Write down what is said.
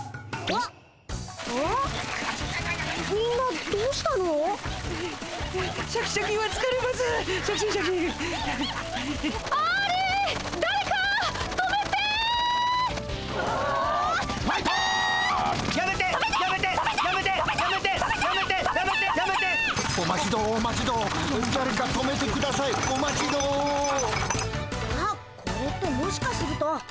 あっこれってもしかすると。